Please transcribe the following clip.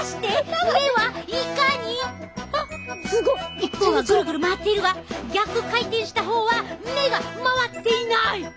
一方はぐるぐる回っているが逆回転した方は目が回っていない！